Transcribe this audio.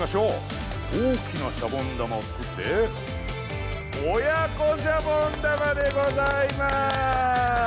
大きなシャボン玉を作って親子シャボン玉でございます！